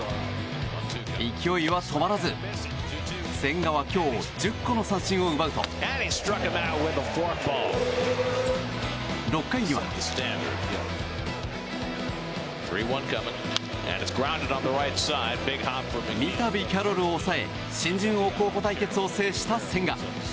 勢いは止まらず千賀は今日１０個の三振を奪うと６回には。みたび、キャロルを抑え新人王候補対決を制した千賀。